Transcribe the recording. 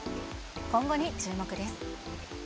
今後に注目です。